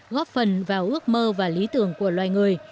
góp phần vào ước mơ và lý tưởng của loài người